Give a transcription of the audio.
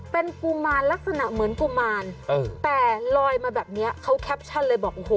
เป็นกุมารลักษณะเหมือนกุมารเออแต่ลอยมาแบบเนี้ยเขาแคปชั่นเลยบอกโอ้โห